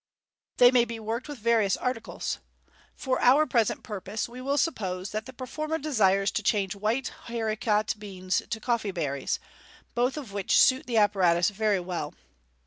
They may be worked with various articles. For our present purpose we will suppose that the performer desires to change white haricot beans to coffee berries, both of which suit the apparatus very well.